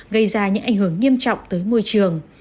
gây ra những ảnh hưởng nghiêm trọng tới môi trường